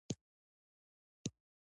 ازادي راډیو د تعلیم بدلونونه څارلي.